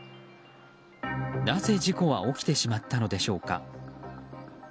なぜ事故は起きてしまったのでしょうか。